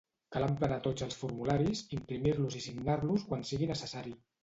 Cal emplenar tots els formularis, imprimir-los i signar-los quan sigui necessari.